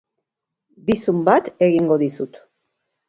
Bizum bat egingo dizut.